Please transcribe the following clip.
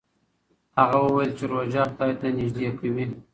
هغه وویل چې روژه خدای ته نژدې کوي.